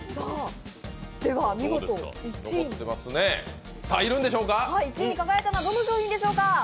では見事１位に輝いたのはどの商品でしょうか？